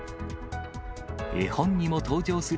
絵本にも登場する